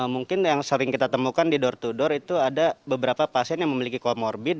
mungkin yang sering kita temukan di door to door itu ada beberapa pasien yang memiliki comorbid